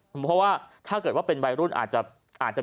เพราะว่าถ้าเกิดว่าเป็นวัยรุ่นอาจจะ